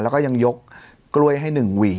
แล้วก็ยังยกกล้วยให้๑หวี